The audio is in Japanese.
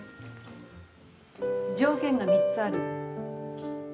条件が３つある。